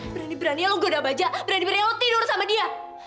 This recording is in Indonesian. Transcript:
berani berani ya lo goda baja berani berani ya lo tidur sama dia